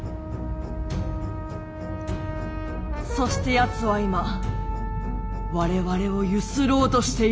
そしてやつは今我々を強請ろうとしている。